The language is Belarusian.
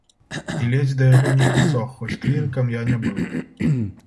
І ледзь да яго не прысох, хоць клірыкам я не быў.